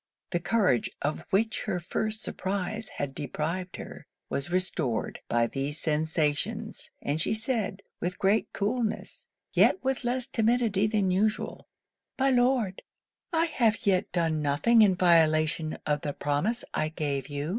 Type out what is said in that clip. The courage of which her first surprise had deprived her, was restored by these sensations; and she said, with great coolness, yet with less timidity than usual, 'my Lord, I have yet done nothing in violation of the promise I gave you.